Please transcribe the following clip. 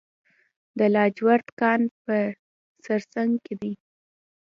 د لاجورد کان په سرسنګ کې دی